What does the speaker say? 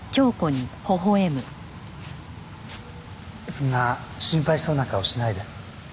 そんな心配そうな顔しないで。